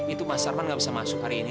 itu mas sarman nggak bisa masuk hari ini